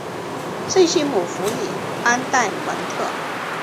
圣西姆福里安代蒙特。